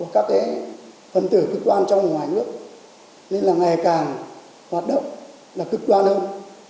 các phần tử cực đoan trong ngoài nước nên là ngày càng hoạt động là cực đoan hơn